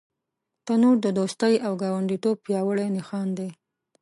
تنور د دوستۍ او ګاونډیتوب پیاوړی نښان دی